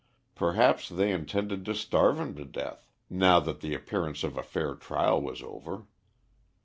Perhaps they intended to starve him to death, now that the appearance of a fair trial was over.